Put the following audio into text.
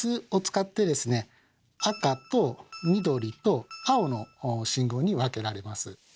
赤と緑と青の信号に分けられます。